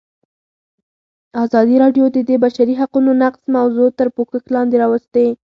ازادي راډیو د د بشري حقونو نقض موضوع تر پوښښ لاندې راوستې.